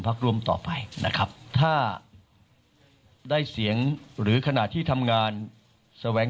ร่วมต่อไปนะครับถ้าได้เสียงหรือขณะที่ทำงานแสวง